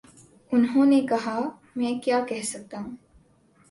انہوں نے کہا: میں کیا کہہ سکتا ہوں۔